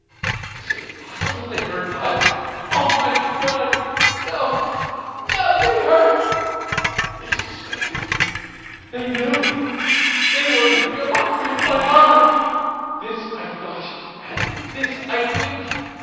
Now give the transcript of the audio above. Was it possible they heard not? Almighty God!—no, no! They heard!—they suspected!—they knew!—they were making a mockery of my horror!—this I thought, and this I think.